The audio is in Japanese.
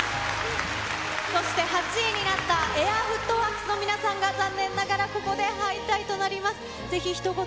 そして、８位になったＡＩＲＦＯＯＴＷＯＲＫＳの皆さんが、残念ながら、ここで敗退となります。